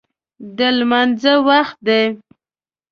د لمانځه وخت دی